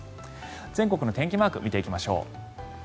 全国の天気マークを見ていきましょう。